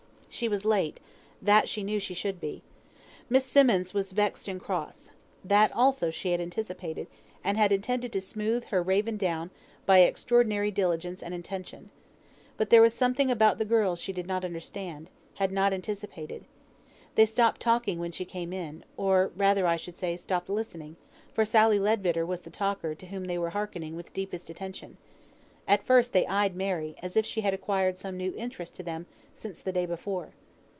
She was late that she knew she should be. Miss Simmonds was vexed and cross. That also she had anticipated, but she had intended to smooth her raven down by extraordinary diligence and attention. But there was something about the girls she did not understand had not anticipated. They stopped talking when she came in; or rather, I should say, stopped listening, for Sally Leadbitter was the talker to whom they were hearkening with intense attention. At first they eyed Mary, as if she had acquired some new interest to them, since the day before.